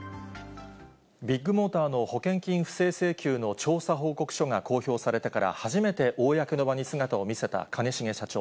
ビッグモーターの保険金不正請求の調査報告書が公表されてから初めて公の場に姿を見せた兼重社長。